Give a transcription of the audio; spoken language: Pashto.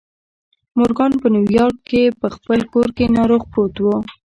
مورګان په نیویارک کې په خپل کور کې ناروغ پروت و